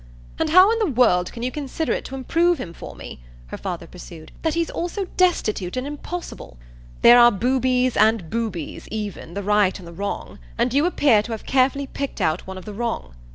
And how in the world can you consider it to improve him for me," her father pursued, "that he's also destitute and impossible? There are boobies and boobies even the right and the wrong and you appear to have carefully picked out one of the wrong.